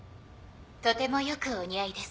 とてもよくお似合いです。